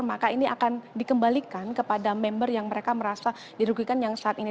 maka ini akan dikembalikan kepada member yang mereka merasa dirugikan yang saat ini